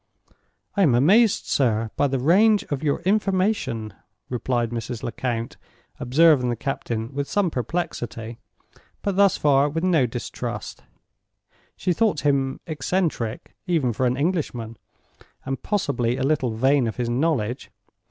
"I am amazed, sir, by the range of your information," replied Mrs. Lecount, observing the captain with some perplexity—but thus far with no distrust. She thought him eccentric, even for an Englishman, and possibly a little vain of his knowledge.